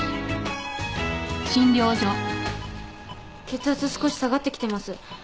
血圧少し下がってきてます。